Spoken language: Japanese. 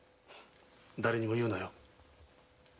だれにも言うなよ。